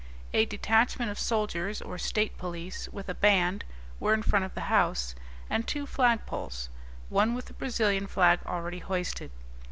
A detachment of soldiers or state police, with a band, were in front of the house, and two flagpoles, one with the Brazilian flag already hoisted.